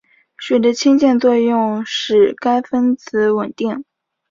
水的氢键作用使该分子稳定。